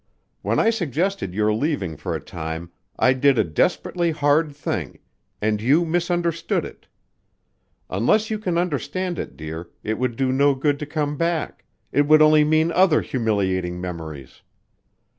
When I suggested your leaving for a time I did a desperately hard thing and you misunderstood it. Unless you can understand it, dear, it would do no good to come back, it would only mean other humiliating memories.